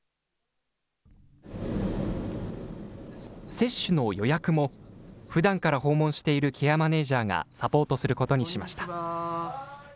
接種の予約も、ふだんから訪問しているケアマネージャーがサポートすることにしました。